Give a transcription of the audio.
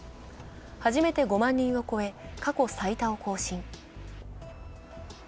初めて５万人を超え過去最多を更新。